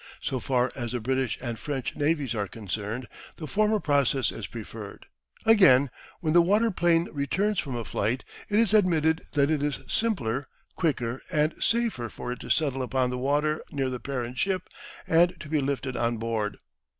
So far as the British and French navies are concerned, the former process is preferred. Again, when the waterplane returns from a flight it is admitted that it is simpler, quicker, and safer for it to settle upon the water near the parent ship and to be lifted on board.